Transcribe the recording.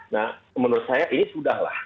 nah menurut saya ini sudah lah